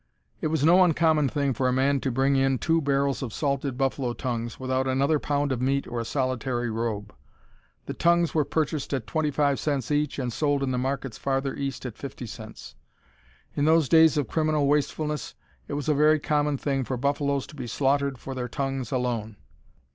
It was no uncommon thing for a man to bring in two barrels of salted buffalo tongues, without another pound of meat or a solitary robe. The tongues were purchased at 25 cents each and sold in the markets farther east at 50 cents. In those days of criminal wastefulness it was a very common thing for buffaloes to be slaughtered for their tongues alone.